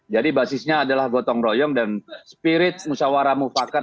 jadi basisnya adalah gotong royong dan spirit musyawara mufakar